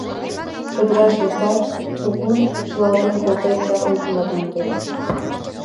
Чодыраш лектат, кугун шӱлалтен колтет да ойгымат мондет..